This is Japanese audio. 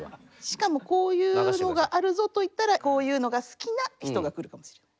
しかもこういうのがあるぞといったらこういうのが好きな人が来るかもしれない。